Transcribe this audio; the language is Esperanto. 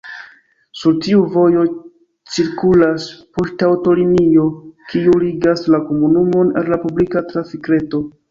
Sur tiu-vojo cirkulas poŝtaŭtolinio, kiu ligas la komunumon al la publika trafikreto.